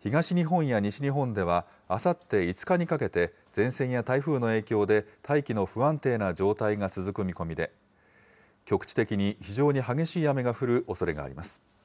東日本や西日本では、あさって５日にかけて前線や台風の影響で、大気の不安定な状態が続く見込みで、局地的に非常に激しい雨が降るおそれがあります。